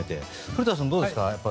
古田さん、どうですか。